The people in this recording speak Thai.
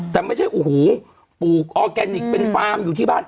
แต่ไม่ใช่โอ้โหปลูกออร์แกนิคเป็นฟาร์มอยู่ที่บ้าน